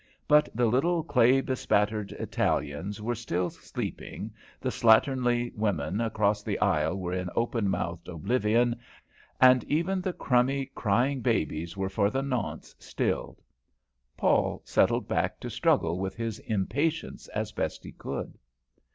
But the little, clay bespattered Italians were still sleeping, the slatternly women across the aisle were in open mouthed oblivion, and even the crumby, crying babies were for the nonce stilled. Paul settled back to struggle with his impatience as best he could.